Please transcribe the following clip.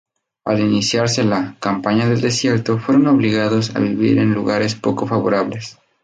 Al iniciarse la "Campaña del Desierto" fueron obligados a vivir en lugares poco favorables.